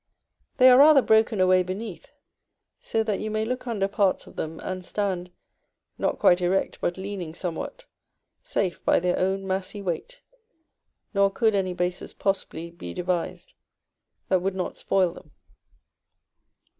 They are rather broken away beneath, so that you may look under parts of them, and stand (not quite erect, but leaning somewhat) safe by their own massy weight. Nor could any bases possibly be devised that would not spoil them.